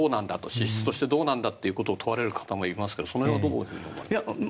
資質としてどうなんだと問われる方もいますがその辺はどう思いますか？